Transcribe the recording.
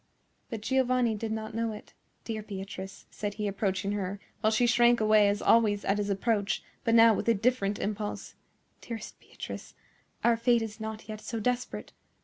But Giovanni did not know it. "Dear Beatrice," said he, approaching her, while she shrank away as always at his approach, but now with a different impulse, "dearest Beatrice, our fate is not yet so desperate.